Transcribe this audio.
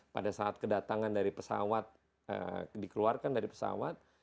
pada saat kedatangan dari pesawat dikeluarkan dari pesawat